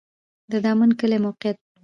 د دامن کلی موقعیت